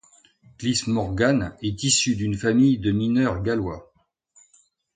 Cliff Morgan est issu d'une famille de mineurs gallois.